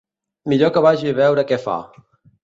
Millor que vagi a veure què fa.